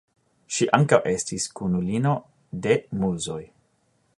Ŝi ankaŭ estis kunulino de Muzoj.